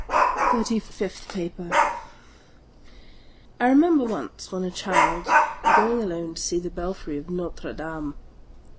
THIRTY FIFTH PAPER I REMEMBER once, when a child, going alone to see the belfry of Notre Dame.